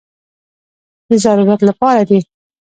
د ضرورت لپاره دي.